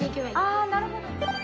ああなるほど。